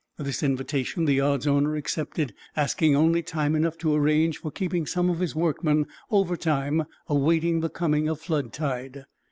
This invitation the yard's owner accepted, asking only time enough to arrange for keeping some of his workmen over time, awaiting the coming of flood tide.